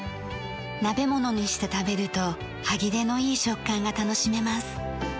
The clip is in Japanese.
鍋物にして食べると歯切れのいい食感が楽しめます。